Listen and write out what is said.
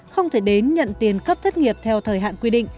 không thể đến nhận tiền cấp thất nghiệp theo thời hạn quy định